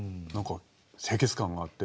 清潔感があって。